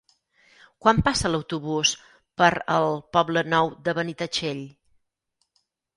Quan passa l'autobús per el Poble Nou de Benitatxell?